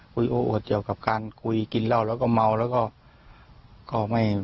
คุยโอบดเกี่ยวกับการคุยกินเหล้าแล้วก็เมาแล้วก็